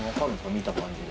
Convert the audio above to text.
見た感じで。